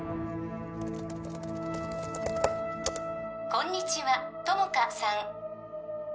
こんにちは友果さん